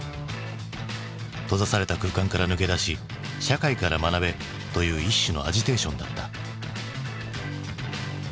閉ざされた空間から抜け出し社会から学べという一種のアジテーションだった。